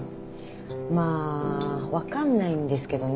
まあ分かんないんですけどね。